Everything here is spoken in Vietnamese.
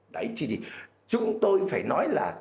đấy thì chúng tôi phải nói là